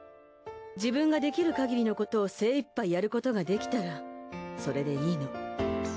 自分ができるかぎりのことを精一杯やることができたらそれでいいの。